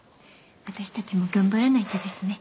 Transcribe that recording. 私たちも頑張らないとですね。